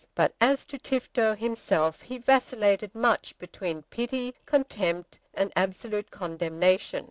But as to Tifto himself he vacillated much between pity, contempt, and absolute condemnation.